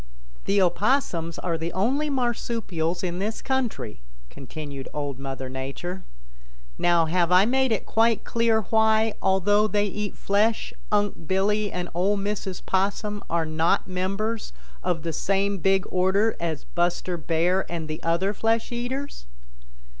"The Opossums are the only Marsupials in this country," continued Old Mother Nature. "Now have I made it quite clear why, although they eat flesh, Unc' Billy and Ol' Mrs. Possum are not members of the same big order as Buster Bear and the other flesh eaters?"